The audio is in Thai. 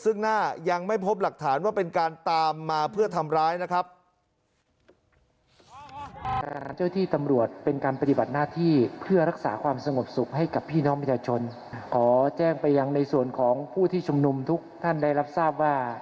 ซึ่งหน้ายังไม่พบหลักฐานว่าเป็นการตามมาเพื่อทำร้ายนะครับ